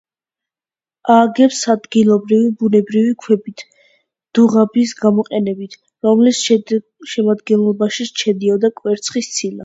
ააგეს ადგილობრივი ბუნებრივი ქვით, დუღაბის გამოყენებით, რომლის შემადგენლობაშიც შედიოდა კვერცხის ცილა.